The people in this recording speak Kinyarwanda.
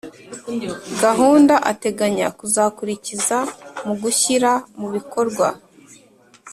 gahunda ateganya kuzakurikiza mu gushyira mu bikorwa